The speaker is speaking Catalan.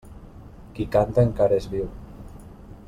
Qui canta, encara és viu.